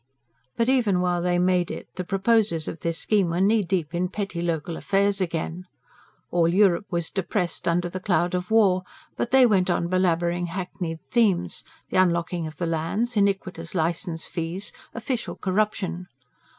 But, even while they made it, the proposers of this scheme were knee deep in petty, local affairs again. All Europe was depressed under the cloud of war; but they went on belabouring hackneyed themes the unlocking of the lands, iniquitous licence fees, official corruption.